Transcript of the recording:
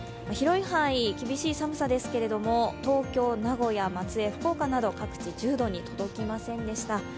広い範囲、厳しい寒さですけれども東京、名古屋、松江、福岡など各地、１０度に届きませんでした。